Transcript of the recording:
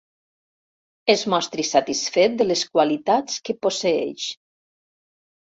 Es mostri satisfet de les qualitats que posseeix.